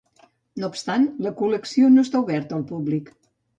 No obstant, la col·lecció no està oberta al públic.